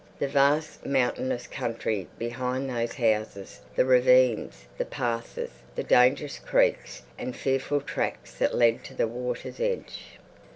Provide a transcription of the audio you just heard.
the vast mountainous country behind those houses—the ravines, the passes, the dangerous creeks and fearful tracks that led to the water's edge.